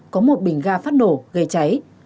có một bình ga phát nổ gây cháy